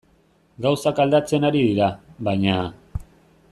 Gauzak aldatzen ari dira, baina...